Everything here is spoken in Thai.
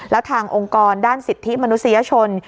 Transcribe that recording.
แล้วทางองค์กรด้านสิทธิมนุษยชน